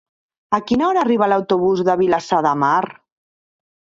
A quina hora arriba l'autobús de Vilassar de Mar?